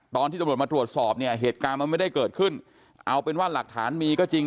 ตอนที่ตำรวจมาตรวจสอบเนี่ยเหตุการณ์มันไม่ได้เกิดขึ้นเอาเป็นว่าหลักฐานมีก็จริง